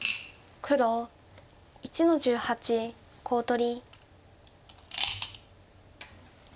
白１の十七コウ取り。